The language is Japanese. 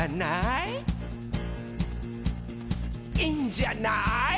「いいんじゃない？」